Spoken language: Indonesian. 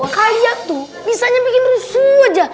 kayak tuh bisanya bikin rusuh aja